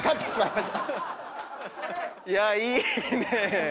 いやいいね。